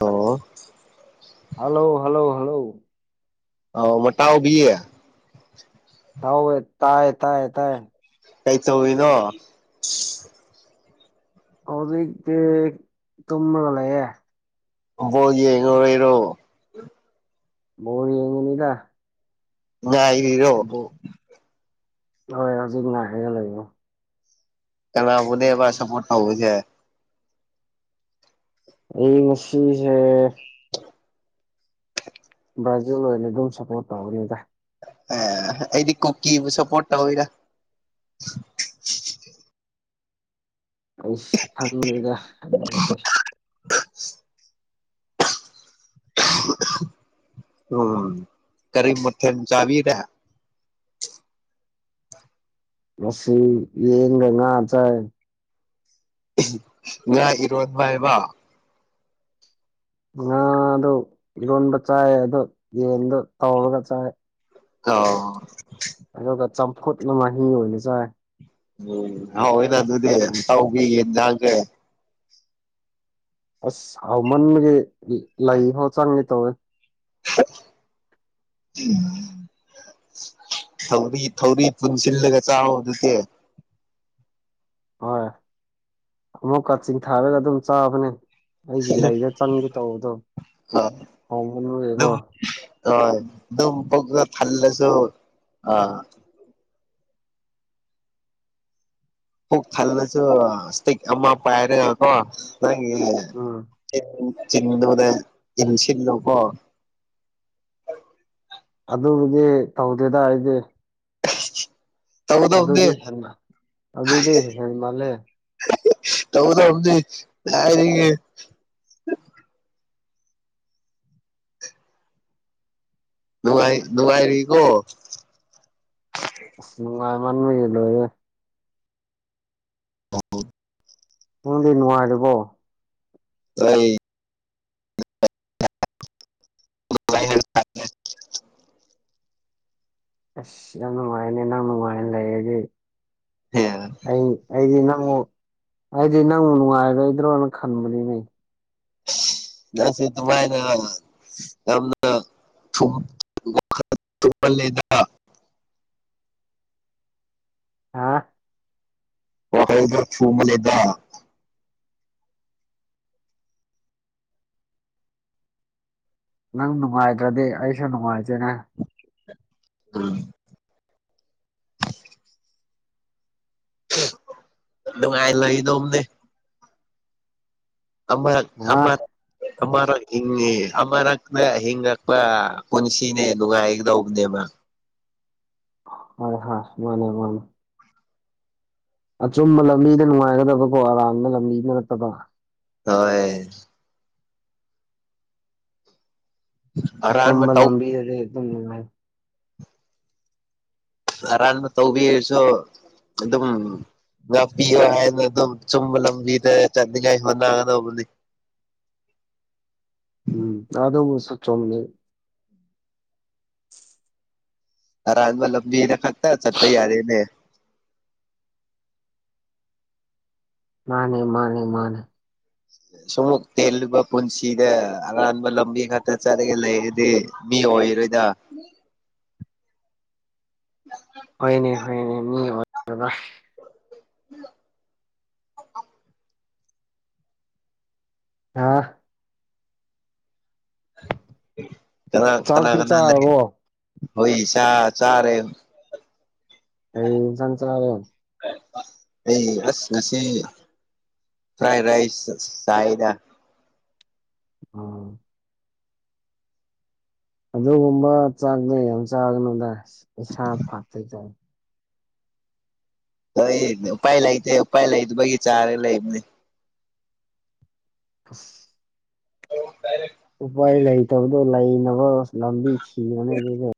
Hello hello hello hello ꯑꯧ ꯃꯇꯥꯎꯕꯤ ꯍꯥꯎ ꯇꯥꯏ ꯇꯥꯏ ꯇꯥꯏ ꯀꯩꯗꯧꯔꯤꯅꯣ ꯍꯧꯖꯤꯛꯇꯤ ꯇꯨꯝꯃꯒ ꯂꯩꯌꯦ ꯕꯣꯜ ꯌꯦꯡꯉꯨꯔꯤꯔꯣ ꯕꯣꯜ ꯌꯦꯡꯉꯨꯕꯅꯤꯗ ꯉꯥꯏꯔꯤꯔꯣ ꯑꯣ ꯅꯣꯢ ꯍꯧꯖꯤꯛ ꯉꯥꯢꯔꯒꯥ ꯂꯩꯔꯣ ꯀꯅꯥꯕꯨꯅꯦꯕ ꯁꯄꯣꯔꯠ ꯇꯧꯗꯣꯢꯁꯦ ꯑꯩ ꯃꯁꯤꯁꯦ ꯭ꯕ꯭ꯔꯥꯖꯤꯜ ꯑꯣꯏꯅ ꯑꯗꯨꯝ ꯁꯞꯄꯣꯔꯠ ꯇꯧꯅꯤꯗ ꯑ ꯑꯩꯗꯤ ꯀꯨꯀꯤꯕꯨ ꯁꯞꯄꯣꯔꯠ ꯇꯧꯢꯗꯥ ꯑꯥꯁ ꯈꯪꯗꯦꯗ ꯑꯗꯨꯒꯗꯤ [inaudible] [inaudible] ꯎꯝ ꯀꯔꯤ ꯃꯊꯦꯜ ꯆꯥꯕꯤꯔꯦ ꯃꯁꯤ ꯌꯦꯟꯒ ꯉꯥ ꯆꯥꯏ ꯉꯥ ꯏꯔꯣꯟꯕ ꯍꯥꯏꯕ ꯉꯥ ꯗꯣ ꯏꯔꯣꯟꯕ ꯆꯥꯏ ꯑꯗꯣ ꯌꯦꯟꯗꯣ ꯇꯧꯎꯔꯒ ꯆꯥꯏ ꯑꯣ ꯑꯗꯨꯒ ꯆꯝꯐꯨꯠꯅ ꯃꯍꯤ ꯑꯣꯏꯅ ꯆꯥꯏ ꯎꯝ ꯍꯣꯏꯗ ꯑꯗꯨꯗꯤ ꯢꯇꯥꯎꯒꯤ ꯌꯦꯟꯁꯥꯡꯁꯦ ꯑꯁ ꯍꯥꯎꯃꯟꯕꯒꯤ ꯂꯩ ꯐꯥꯎ ꯆꯪꯉꯦ ꯇꯧꯋꯦ ꯎꯝ ꯊꯧꯔꯤ ꯊꯧꯔꯤ ꯄꯨꯟꯁꯤꯜꯂꯒ ꯆꯥꯎ ꯑꯗꯨꯗꯤ ꯍꯣꯏ ꯑꯃꯨꯛꯀ ꯆꯤꯡꯊꯥꯔꯒ ꯑꯗꯨꯝ ꯆꯥꯕꯅꯤ ꯑꯩꯒꯤ ꯂꯩꯖꯦ ꯆꯡꯒꯦ ꯇꯧꯕꯗꯣ ꯍꯥꯎꯃꯟꯕꯒꯤꯀꯣ ꯍꯣꯢ ꯑꯗꯨꯝ ꯄꯨꯛ ꯊꯜꯂꯁꯨ ꯑꯥ ꯄꯨꯨꯛ ꯊꯜꯂꯁꯨ ꯏꯁꯇꯤꯛ ꯑꯃ ꯄꯥꯏꯔꯀꯣ ꯅꯪꯒꯤ ꯎꯝ ꯆ ꯆꯤꯡꯗꯨꯗ ꯌꯦ ꯁꯤꯜꯂꯣꯀꯣ ꯑꯗꯨꯕꯨꯗꯤ ꯇꯧꯗꯦꯗ ꯑꯩꯗꯤ ꯇꯧꯒꯗꯧꯕꯅꯤ ꯑꯗꯨꯗꯤ ꯍꯦꯃ ꯑꯗꯨꯗꯤ ꯍꯦꯟꯃꯜꯂꯦ ꯇꯧꯒꯗꯝꯗꯤ ꯀꯥꯏꯗꯒꯤ ꯅꯨꯡꯉꯥꯏ ꯅꯨꯡꯉꯥꯏꯔꯤꯀꯣ ꯅꯨꯡꯉꯥꯏꯃꯟꯕꯒꯤ ꯂꯩꯌꯦ ꯑ ꯅꯪꯗꯤ ꯅꯨꯡꯉꯥꯏꯔꯤꯕꯣ ꯑꯩ ꯍ [unintelligible] ꯑꯁ ꯌꯥꯝ ꯅꯨꯡꯉꯥꯏꯅꯦ ꯅꯪ ꯅꯨꯡꯉꯥꯏꯅ ꯂꯩꯔꯗꯤ ꯑꯩ ꯑꯩꯗꯤ ꯅꯪꯕꯨ ꯍꯥꯏꯗꯤ ꯅꯪꯕꯨ ꯅꯨꯡꯉꯥꯏꯔꯣꯏꯗ꯭ꯔꯣꯅ ꯈꯟꯕꯅꯤ ꯅ ꯑꯩꯁꯤ ꯗꯨꯃꯥꯥꯏꯅ ꯌꯥꯝꯅ ꯊꯨꯝ ꯊꯨꯃꯟꯂꯦꯅ ꯍꯥ [unintelligible] ꯅꯪ ꯅꯨꯡꯉꯥꯏꯗ꯭ꯔꯗꯤ ꯑꯩꯁꯨ ꯅꯨꯡꯉꯥꯏꯇꯦꯅꯦ ꯎꯝ ꯅꯨꯡꯉꯥꯏ ꯂꯩꯒꯗꯣꯝꯅꯦ ꯑꯃ ꯍꯥ ꯑꯃ ꯑꯃꯔꯛ ꯍꯤꯡꯉꯤ ꯑꯃꯔꯛꯅ ꯍꯤꯡꯉꯛꯄ ꯄꯨꯟꯁꯤꯅꯦ ꯅꯨꯡꯉꯥꯏꯒꯗꯧꯕꯅꯦꯕ ꯍꯣꯏ ꯍꯣꯏ ꯃꯥꯅꯦ ꯃꯥꯅꯦ ꯑꯆꯨꯝꯕ ꯂꯝꯕꯤꯗ ꯅꯨꯡꯉꯥꯏꯒꯗꯕꯀꯣ ꯑꯔꯥꯟꯕ ꯂꯝꯕꯤꯗ ꯅꯠꯇꯕ ꯍꯣꯏ ꯑꯔꯥꯟꯕ ꯑꯆꯨꯝꯕ ꯇꯧ ꯂꯝꯕꯤꯗꯗꯤ ꯑꯗꯨꯝ ꯅꯨꯡꯉꯥꯏ ꯑꯔꯥꯟꯕ ꯇꯧꯕꯤꯔꯁꯨ ꯑꯗꯨꯝ ꯉꯥꯛꯄꯤꯌꯣ ꯍꯥꯏꯅ ꯑꯗꯨꯝ ꯆꯨꯝꯕ ꯂꯝꯕꯤꯗ ꯆꯠꯅꯤꯡꯉꯥꯏ ꯍꯣꯠꯅꯒꯗꯧꯕꯅꯤ ꯎꯝ ꯑꯗꯨꯝ ꯆꯣꯅꯤ ꯑꯔꯥꯟꯕ ꯂꯝꯕꯤꯅ ꯈꯛꯇ ꯆꯠꯄ ꯌꯥꯔꯦꯅꯦ ꯃꯥꯅꯦ ꯃꯥꯅꯦ ꯃꯥꯅꯦ ꯁꯨꯝ ꯇꯦꯜꯂꯨꯕ ꯄꯨꯟꯁꯤꯗ ꯑꯔꯥꯟꯕ ꯂꯝꯕꯤ ꯈꯛꯇ ꯆꯠꯂꯒ ꯂꯩꯔꯗꯤ ꯃꯤ ꯑꯣꯏꯔꯣꯏꯗ [inaudible] ꯍꯣꯏꯅꯦ ꯍꯣꯏꯅꯦ ꯃꯤ ꯑꯣꯏꯔꯔꯣꯏ ꯎ [inaudible] ꯑꯥ ꯀꯅꯥ ꯀꯅꯥ ꯆꯥꯛꯇꯤ ꯀꯅꯥ ꯂꯩ ꯆꯥꯔꯕꯣ ꯍꯣꯏ ꯆꯥ ꯆꯥꯔꯦ ꯀꯩ ꯑꯦꯟꯁꯥꯡ ꯆꯥꯕ ꯑꯩ ꯑꯁ ꯉꯁꯤ ꯐ꯭ꯔꯥꯏ ꯔꯥꯏꯁ ꯆꯥꯏꯗꯥ ꯑꯣ ꯑꯗꯨꯒꯨꯝꯕ ꯆꯥꯛꯅꯦ ꯌꯥꯝ ꯆꯥꯒꯅꯨꯗ ꯏꯁꯥ ꯐꯠꯇꯤꯗꯣ ꯑꯩ ꯎꯄꯥꯏ ꯂꯩꯇꯦ ꯎꯄꯥꯏ ꯂꯩꯇꯕꯒꯤ ꯆꯥꯔꯒ ꯂꯩꯕꯅꯦ [inaudible] [unintelligible] [inaudible] ꯎꯄꯥꯏ ꯂꯩꯇꯕꯗꯣ ꯂꯩꯅꯕ ꯂꯝꯕꯤ ꯊꯤꯌꯣꯅꯦ ꯑꯗꯨꯗ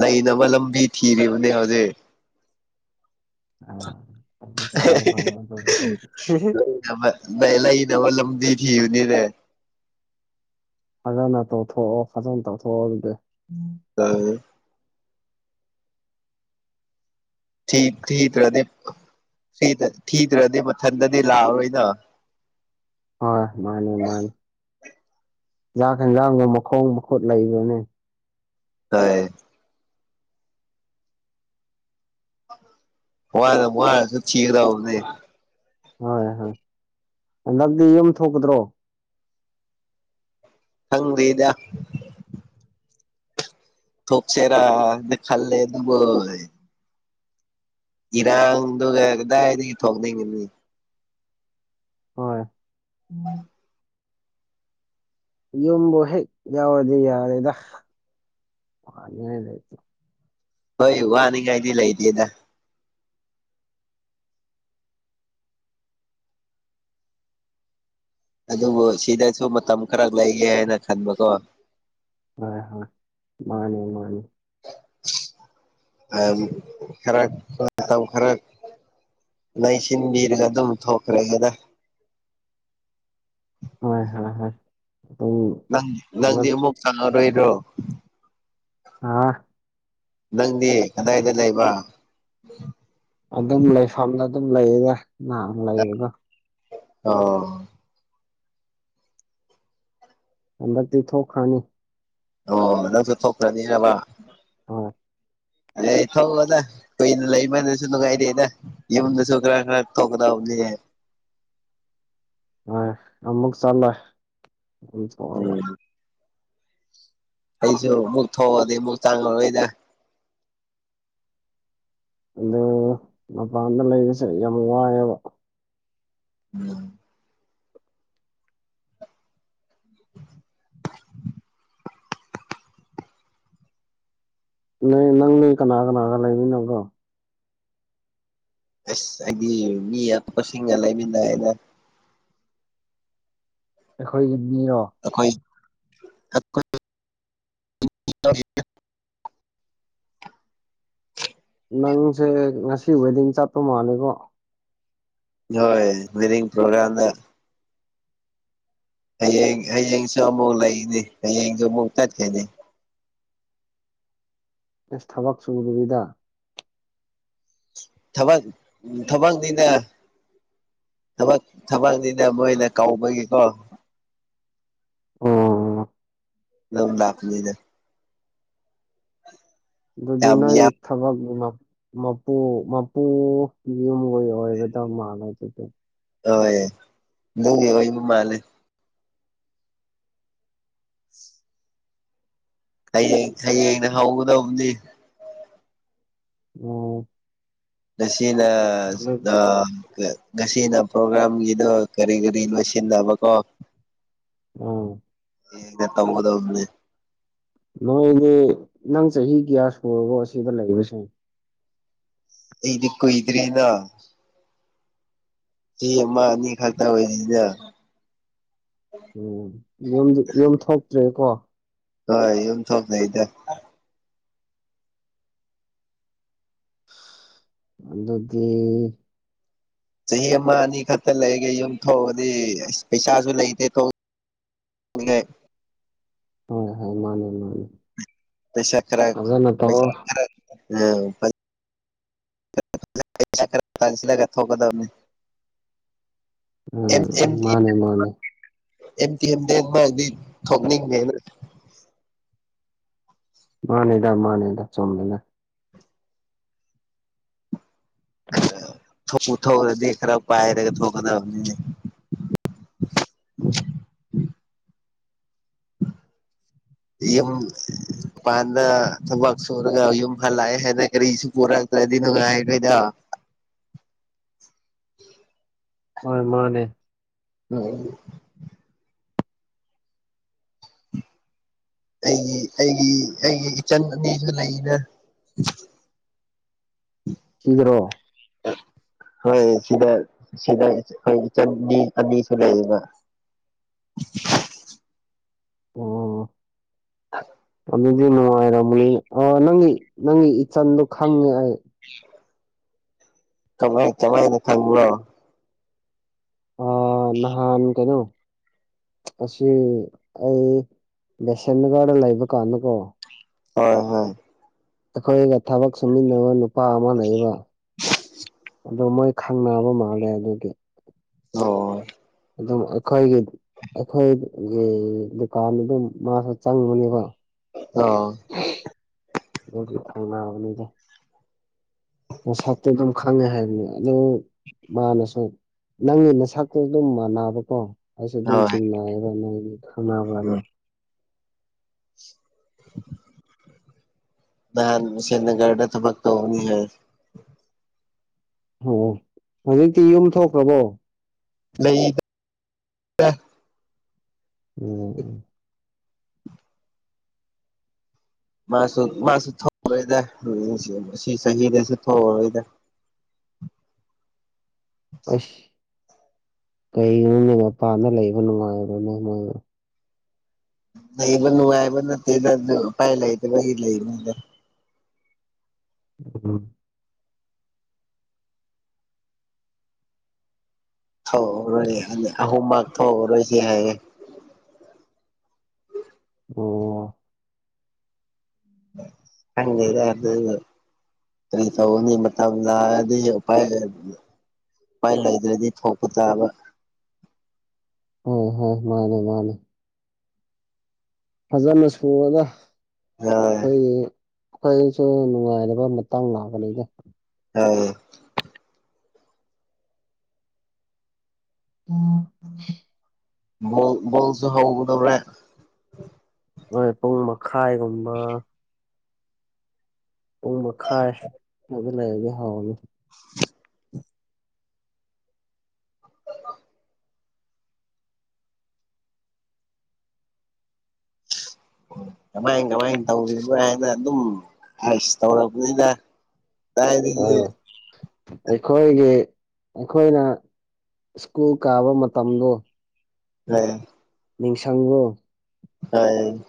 ꯂꯩꯅꯕ ꯂꯝꯕꯤ ꯊꯤꯔꯤꯕꯅꯦ ꯍꯧꯖꯤꯛ ꯑꯥ ꯑꯗꯨ ꯐꯔꯦ ꯐꯔꯦ [inaudible] ꯑꯗꯨꯕꯨꯗꯤ [inaudible] ꯊꯕꯛ ꯂꯩ ꯂꯩꯅꯕ ꯂꯝꯕꯤ ꯊꯤꯕꯅꯤꯅꯦ ꯐꯖꯅ ꯇꯧꯊꯣꯛꯑꯣ ꯐꯖꯅ ꯇꯧꯊꯣꯛꯑꯣ ꯑꯗꯨꯗꯤ ꯇꯜ ꯊꯤ ꯊꯤꯗ꯭ꯔꯗꯤ ꯊꯤꯗ ꯊꯤꯗ꯭ꯔꯗꯤ ꯃꯊꯟꯗꯗꯤ ꯂꯥꯛꯑꯣꯔꯣꯏꯅ ꯍꯣꯏ ꯃꯥꯅꯤ ꯃꯥꯅꯤ ꯌꯥꯛ ꯍꯦꯟꯖꯥꯡꯒ ꯃꯈꯣꯡ ꯃꯈꯨꯠ ꯂꯩꯕꯅꯦ [unintelligible] ꯋꯥꯅ ꯋꯥꯅꯖꯨ ꯊꯤꯒꯗꯧꯕꯅꯦ ꯍꯣꯏ ꯍꯣꯏ ꯍꯟꯗꯛꯇꯤ ꯌꯨꯝ ꯊꯣꯛꯀꯗ꯭ꯔꯣ ꯍꯪꯗꯤꯗ ꯊꯣꯛꯁꯦꯔꯥꯗꯤ ꯈꯜꯂꯦ ꯑꯗꯨꯕꯨ ꯏꯔꯥꯡꯗꯨꯒ ꯀꯗꯥꯏꯗꯒꯤ ꯊꯣꯛꯅꯤꯡꯉꯅꯤ ꯍꯣꯏ ꯎꯝ ꯌꯨꯝꯕꯨ ꯍꯦꯛ ꯌꯥꯎꯔꯗꯤ ꯌꯥꯔꯦꯗ ꯋꯥꯅꯤꯉꯥꯏ ꯂꯩꯇꯦ ꯍꯣꯏ ꯋꯥꯅꯤ ꯉꯥꯏꯗꯤ ꯂꯩꯇꯦꯗ ꯑꯗꯨꯕꯨ ꯁꯤꯗꯁꯨ ꯃꯇꯝ ꯈꯔ ꯂꯩꯒꯦ ꯍꯥꯏꯅ ꯈꯟꯕꯀꯣ ꯍꯣꯏ ꯍꯣꯏ ꯃꯥꯅꯦ ꯃꯥꯅꯦ ꯑ ꯈꯔ [unintelligible] ꯈꯔ ꯂꯩꯁꯤꯟꯕꯤꯔꯒ ꯑꯗꯨꯝ ꯊꯣꯛꯈ꯭ꯔꯦꯒꯦꯗ ꯍꯣꯏ ꯍꯣꯏ ꯍꯣꯏ [unintelligible] ꯅꯪ ꯅꯪꯗꯤ ꯑꯗꯨꯝ ꯑꯃꯨꯛ ꯆꯪꯉꯔꯣꯏꯔꯣ ꯑꯥ ꯅꯪꯗꯤ ꯀꯗꯥꯏꯗ ꯂꯩꯕ ꯑꯗꯨꯝ ꯂꯩꯐꯝꯗ ꯑꯗꯨꯝ ꯂꯩꯗ ꯅꯍꯥꯟ ꯂꯩꯕꯗ ꯑꯣ ꯍꯟꯗꯛꯇꯤ ꯊꯣꯛꯈ꯭ꯔꯅꯤ ꯑꯣ ꯅꯪꯁꯨ ꯊꯣꯛꯈ꯭ꯔꯅꯤ ꯍꯥꯏꯕ ꯍꯣꯏ ꯂꯩꯊꯣꯛꯑꯣꯗ ꯀꯨꯏꯅ ꯂꯩꯃꯗꯨꯁꯨ ꯅꯨꯡꯉꯥꯏꯔꯦꯗ ꯌꯨꯝꯗꯁꯨ ꯈꯔ ꯈꯔ ꯊꯣꯛꯀꯗꯕꯅꯤ ꯍꯣꯏ ꯑꯃꯨꯛ ꯆꯠꯂꯣꯏ ꯎꯝ [unintelligible] ꯑꯩꯁꯨ ꯑꯃꯨꯛ ꯊꯣꯛꯑꯗꯤ ꯑꯃꯨꯛ ꯆꯪꯉꯔꯣꯏꯗ ꯑꯗꯨ ꯃꯄꯥꯟꯗ ꯂꯩꯕꯁꯦ ꯌꯥꯝ ꯋꯥꯏꯑꯦꯕ [unintelligible] ꯅꯦ ꯅꯪ ꯀꯅꯥ ꯀꯅꯥꯒ ꯂꯩꯃꯤꯟꯅꯕ꯭ꯔꯣ ꯑꯁ ꯑꯩꯗꯤ ꯃꯤ ꯑꯄꯤꯛꯄꯁꯤꯡꯒ ꯂꯩꯃꯤꯟꯅꯌꯦꯗ ꯑꯩꯈꯣꯏꯒꯤ ꯃꯤꯔꯣ ꯑꯈꯣꯏ [unintelligible] ꯅꯪꯁꯦ ꯉꯁꯤ ꯋꯦꯗꯤꯡ ꯆꯠꯄ ꯃꯥꯜꯂꯦꯀꯣ ꯍꯣꯏ ꯋꯦꯗꯤꯡ ꯄ꯭ꯔꯣꯒ꯭ꯔꯥꯝꯗ ꯍꯌꯦꯡ ꯍꯌꯦꯡꯁꯨ ꯑꯃꯨꯛ ꯂꯩꯅꯤ ꯍꯌꯦꯡꯁꯨ ꯑꯃꯨꯛ ꯆꯠꯈꯤꯅꯤ ꯑꯦꯁ ꯊꯕꯛ ꯁꯨꯗꯕꯤꯗ ꯊꯕꯛ ꯊꯕꯛꯅꯤꯅ ꯊꯕꯛ ꯊꯕꯛꯅꯤꯅ ꯃꯣꯏꯅ ꯀꯧꯕꯒꯤꯀꯣ ꯑꯣ ꯂꯧ ꯂꯥꯛꯄꯅꯤꯗ ꯗꯨꯗꯤ ꯌꯥꯝ ꯅꯣꯏ ꯌꯥꯝ ꯊꯕꯛꯅꯤꯅ ꯃꯄꯨ ꯃꯄꯨ ꯌꯨꯝꯒꯤ ꯑꯣꯏꯒꯗꯕ ꯃꯥꯥꯟꯜꯂ ꯑꯗꯨꯗ ꯍꯣꯏ ꯗꯨꯒꯤ ꯑꯣꯏꯕ ꯃꯥꯜꯂꯦ ꯍꯌꯦꯡ ꯍꯌꯦꯡꯅ ꯍꯧꯒꯗꯧꯕ ꯅꯤ ꯑꯣ ꯇꯥꯁꯦꯡꯅ ꯑꯥ꯫ [unintelligible] ꯉꯁꯤꯅ ꯄ꯭ꯔꯣꯒ꯭ꯔꯥꯝꯒꯤꯗꯣ ꯀꯔꯤ ꯀꯔꯤ ꯂꯣꯏꯁꯤꯟꯅꯕ ꯀꯣ꯫ ꯎꯝ꯫ ꯌꯦꯅ ꯗ ꯇꯧꯒꯗꯧꯕꯅꯦ꯫ ꯅꯣꯏꯗꯤ ꯅꯪ ꯆꯍꯤ ꯀꯌꯥ ꯁꯔꯕꯣ ꯑꯁꯤꯗ ꯂꯩꯕꯁꯦ꯫ ꯑꯩꯗꯤ ꯀꯨꯏꯗꯔꯤꯅ꯫ ꯆꯍꯤ ꯑꯃ ꯑꯅꯤ ꯈꯛꯇ ꯑꯣꯏꯔꯤꯗ꯫ ꯎꯝ ꯌꯝꯗꯤ ꯌꯝ ꯊꯣꯛꯇ꯭ꯔꯦꯀꯣ꯫ ꯍꯣꯏ ꯌꯝ ꯊꯣꯛꯇꯦꯗ꯫ ꯑꯗꯨꯗꯤ꯫ ꯆꯍꯤ ꯑꯃ ꯑꯅꯤ ꯈꯛꯇ ꯂꯩꯔꯒ ꯌꯨꯝ ꯊꯣꯛꯑꯗꯤ ꯑꯁ ꯄꯩꯁꯥꯁꯨ ꯂꯩꯇꯦ [unintelligible] ꯍꯣꯏ ꯍꯣꯏ ꯃꯥꯅꯤ ꯃꯥꯅꯤ꯫ ꯄꯩꯁꯥ ꯈꯔ ꯄꯩꯁꯥ ꯈꯔ꯫ [inaudible] ꯊꯣꯛꯀꯗꯝꯅꯤ꯫ ꯎꯝ ꯃꯥꯅꯦ ꯃꯥꯅꯦ꯫ M ten [unintelligible] ꯊꯣꯛꯅꯤꯡꯉꯦꯅ꯫ ꯃꯥꯅꯦꯗ ꯃꯥꯅꯦꯗ ꯆꯨꯝꯃꯤꯗ꯫ ꯊꯣꯛꯄꯨ ꯊꯣꯛꯑꯗꯤ ꯈꯔ ꯄꯥꯏꯔꯒ ꯊꯣꯛꯀꯗꯕꯅꯤꯅꯦ꯫ ꯎꯝ꯫ ꯌꯨꯝ꯫ [unintelligible] ꯃꯄꯥꯟꯗ ꯊꯕꯛ ꯁꯨꯔꯒ ꯌꯨꯝ ꯍꯜꯂꯥꯛꯑꯦ ꯍꯥꯏꯅ ꯀꯔꯤꯁꯨ ꯄꯨꯔꯛꯇ꯭ꯔꯗꯤ ꯅꯨꯡꯉꯥꯏꯔꯣꯏꯗꯣ꯫ ꯍꯣꯏ ꯃꯥꯅꯦ꯫ ꯎꯝ꯫ ꯑꯩꯒꯤ ꯑꯩꯒꯤ ꯑꯩꯒꯤ ꯏꯆꯟ ꯅꯨꯄꯤꯁꯨ ꯂꯩꯗ꯫ [unintelligible] ꯁꯤꯗ꯭ꯔꯣ꯫ [unintelligible] ꯍꯣꯏ ꯁꯤꯗ ꯁꯤꯗ ꯑꯩꯈꯣꯏ ꯏꯆꯟꯅꯤ ꯑꯅꯤꯁꯨ ꯂꯩꯌꯦꯕ꯫ [unintelligible] ꯑꯣ꯫ [unintelligible] ꯑꯗꯨꯗꯤ ꯅꯨꯡꯉꯥꯏꯔꯝꯃꯅꯤ ꯑꯣ ꯅꯪꯒꯤ ꯅꯪꯒꯤ ꯏꯆꯟꯗꯣ ꯈꯪꯉꯦ ꯑꯩ꯫ ꯀꯃꯥꯏ ꯀꯃꯥꯏꯅ ꯈꯪꯕꯔꯣ꯫ ꯍꯥꯟ ꯀꯩꯅꯣ ꯑꯁꯤ ꯑꯩ ꯕꯦꯁꯦꯝ ꯒꯔꯗ ꯂꯩꯕ ꯀꯥꯟꯗꯀꯣ꯫ ꯍꯣꯏ ꯍꯣꯏ꯫ ꯑꯩꯈꯣꯏꯒ ꯊꯕꯛ ꯁꯨꯃꯤꯟꯅꯕ ꯅꯨꯄꯥ ꯑꯃ ꯂꯩꯕ꯫ ꯑꯗꯣ ꯃꯣꯏ ꯈꯪꯅꯕ ꯃꯥꯜꯂꯦ ꯑꯗꯨꯒꯤ꯫ ꯑꯣ꯫ ꯑꯗꯨꯝ ꯑꯩꯈꯣꯏꯒꯤ ꯑꯩꯈꯣꯏꯒꯤ ꯗꯨꯀꯥꯟꯗ ꯑꯗꯨꯝ ꯃꯥꯁꯨ ꯆꯪꯕꯅꯦꯕ꯫ ꯑꯣ꯫ [unintelligible] ꯑꯗꯨꯒꯤ ꯈꯪꯅꯕꯅꯤꯗ꯫ ꯃꯁꯛꯇꯤ ꯑꯗꯨꯝ ꯈꯪꯉꯦ ꯍꯥꯏꯕꯅꯤ ꯑꯗꯣ ꯃꯥꯅꯁꯨ ꯅꯪꯒꯤ ꯃꯁꯛꯇꯨ ꯑꯗꯨꯝ ꯃꯥꯟꯅꯕꯀꯣ꯫ ꯑꯩꯁꯨ ꯑꯗꯨꯝ ꯍꯣꯏ ꯆꯤꯡꯅꯌꯦꯕ ꯅꯣꯏꯒꯤ ꯈꯪꯅꯕꯗꯣ꯫ ꯎꯝ [inaudible] ꯅꯥꯍꯟ ꯁꯦꯟꯅꯒꯔꯗ ꯊꯕꯛ ꯇꯧꯒꯅꯤ ꯍꯥꯏ꯫ ꯑꯣ ꯍꯧꯖꯤꯛꯇꯤ ꯌꯨꯝ ꯊꯣꯛꯈ꯭ꯔꯕꯣ꯫ ꯂꯩ ꯎꯝ ꯎꯝ ꯃꯥꯁꯨ ꯃꯥꯁꯨ ꯊꯣꯛꯎꯔꯣꯏꯗ ꯁꯤ ꯆꯍꯤꯗꯁꯨ ꯊꯣꯛꯎꯔꯣꯏꯗ꯫ ꯑꯁ ꯀꯩꯅꯣꯒꯤ ꯃꯄꯥꯟꯗ ꯂꯩꯕ ꯅꯨꯡꯉꯥꯏꯕ꯭ꯔꯅꯕ ꯂꯩꯕꯟꯅꯨꯡꯥꯏꯕ ꯅꯥꯠꯇꯦꯗ ꯄꯥꯏ ꯂꯩꯇꯕꯒꯤ ꯂꯩꯕꯅꯤꯗ꯫ ꯎꯝ ꯊꯣꯛꯔꯣ ꯑꯍꯣꯝ ꯃꯥ ꯊꯣꯛꯎꯔꯣꯏꯁꯤ ꯍꯥꯏꯌꯦ꯫ ꯑꯣ ꯈꯉꯥꯗꯦꯗꯥ ꯑꯗꯨꯒꯤ꯫ ꯀꯩꯗꯥꯎꯅꯤ ꯃꯥꯇꯝ ꯂꯛꯑꯗꯤ ꯄꯥꯏ ꯂꯩꯇꯦ꯫ ꯎꯄꯥꯏ ꯂꯩꯗ꯭ꯔꯗꯤ ꯊꯣꯛꯄ ꯇꯥꯕ꯫ ꯑꯣ ꯍꯣꯏ ꯃꯥꯅꯦ ꯃꯥꯅꯦ꯫ ꯐꯖꯅ ꯁꯨꯔꯒ ꯍꯣꯏ ꯑꯩꯈꯣꯏꯒꯤ꯫ ꯑꯈꯣꯏꯁꯨ ꯅꯨꯡꯉꯥꯏꯔꯕ ꯃꯇꯥꯡ ꯂꯥꯛꯀꯅꯤꯗ꯫ [unintelligible] [inaudible] ꯕꯣꯜꯁꯨ ꯍꯒꯗꯔꯦ꯫ ꯑꯩꯣꯏ ꯄꯨꯡ ꯃꯈꯥꯏꯒꯨꯝꯕ ꯄꯨꯡ ꯃꯈꯥꯏ ꯑꯗꯨ ꯂꯩꯔꯒꯦ ꯍꯥꯎꯅꯤ꯫ ꯑꯣ ꯀꯃꯥꯏ ꯀꯃꯥꯏ ꯇꯧꯔꯤꯕꯥ ꯍꯥꯏꯅ ꯑꯗꯨꯝꯁ ꯇꯧꯔꯕꯅꯤꯅ ꯑꯣ ꯑꯩꯈꯣꯏꯒꯤ ꯑꯩꯈꯣꯏꯅ ꯁ꯭ꯀꯨꯜ ꯀꯥꯕ ꯃꯇꯝꯗꯣ [unintelligible] ꯅꯤꯡꯁꯤꯡꯪꯕꯔꯣ꯫ ꯍꯥꯏ